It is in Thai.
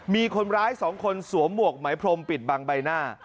มีคนร้าย๒คนสวมหมวกไหมพรมปิดบังใบหน้า